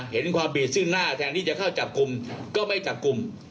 เห็นความผิดซึ่งหน้าแทนที่จะเข้าจับกลุ่มก็ไม่จับกลุ่ม